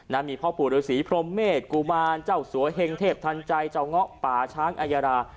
นามีพ่อผู้ศรีพรมเมฆกุมารเจ้าสวยเห็นเทพทันใจเจ้าง๊ะป่าช้างอัยรา